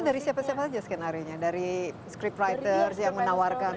itu dari siapa siapa aja skenario nya dari script writer yang menawarkan